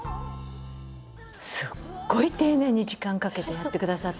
すっごい丁寧に時間かけてやってくださった。